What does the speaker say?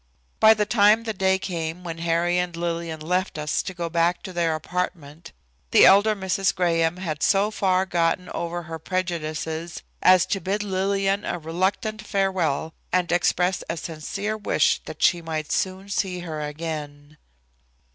By the time the day came when Harry and Lillian left us to go back to their apartment the elder Mrs. Graham had so far gotten over her prejudices as to bid Lillian a reluctant farewell and express a sincere wish that she might soon see her again.